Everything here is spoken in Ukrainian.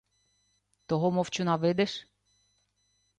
— Того мовчуна видиш?